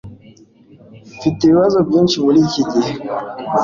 Mfite ibibazo byinshi muriki gihe